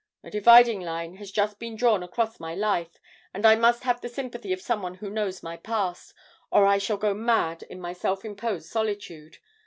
A dividing line has just been drawn across my life, and I must have the sympathy of someone who knows my past, or I shall go mad in my self imposed solitude.